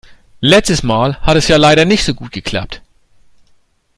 Letztes Mal hat es ja leider nicht so gut geklappt.